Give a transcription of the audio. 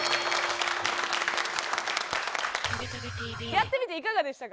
やってみていかがでしたか？